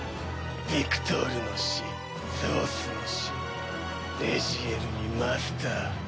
ビクトールの死ズオスの死レジエルにマスター。